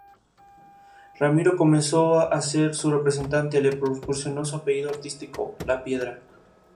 Ramiro comenzó a ser su representante y le proporcionó su apellido artístico, "Lapiedra".